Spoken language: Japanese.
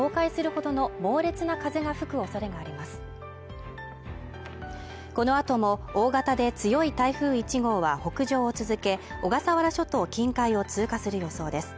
このあとの大型で強い台風１号は北上を続け小笠原諸島近海を通過する予想です